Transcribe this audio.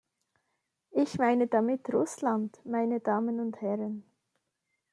Ich meine damit Russland, meine Damen und Herren.